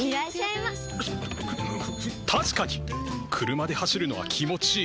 車で走るのは気持ちいい。